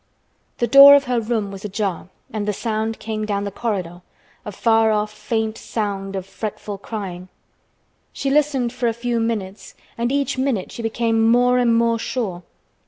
The door of her room was ajar and the sound came down the corridor, a far off faint sound of fretful crying. She listened for a few minutes and each minute she became more and more sure.